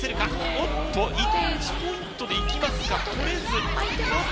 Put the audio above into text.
おっと１ポイントで行きますか。